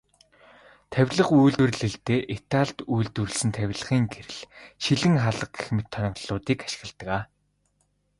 Тавилга үйлдвэрлэлдээ Италид үйлдвэрлэсэн тавилгын гэрэл, шилэн хаалга гэх мэт тоноглолуудыг ашигладаг.